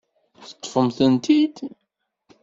Teṭṭfemt-tent-id?